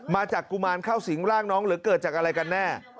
มาจากกุมารเข้าสิงหรือเกิดจากอะไรกันแน่